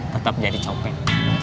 tetap jadi copet